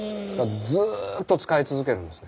ずっと使い続けるんですね。